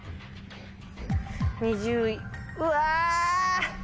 うわ！